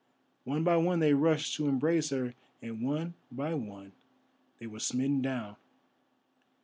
One by one they rushed to embrace her, and one by one they were smitten down.